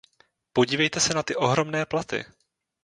Podívejte se na ty ohromné platy.